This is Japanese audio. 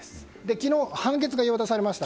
昨日、判決が言い渡されました。